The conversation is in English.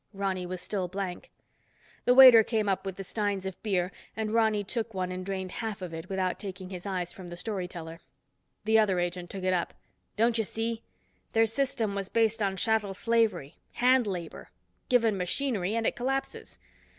Ronny was still blank. The waiter came up with the steins of beer, and Ronny took one and drained half of it without taking his eyes from the storyteller. The other agent took it up. "Don't you see? Their system was based on chattel slavery, hand labor. Given machinery and it collapses.